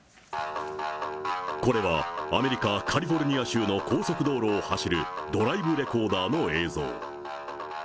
これはアメリカ・カリフォルニア州の高速道路を走るドライブレコーダーの映像。